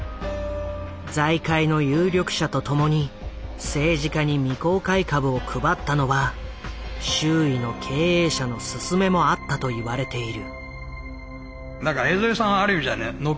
財界の有力者と共に政治家に未公開株を配ったのは周囲の経営者のすすめもあったと言われている。